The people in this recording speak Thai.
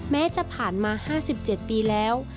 แม้จะผ่านมา๕๗ปีแล้ว